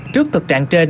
trước thực trạng trên